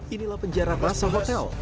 inilah penjara rasa hotel